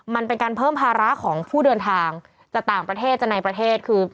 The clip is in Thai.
มันเป็นการเพิ่มภาระของผู้เดินทางจากต่างประเทศจะในประเทศคือ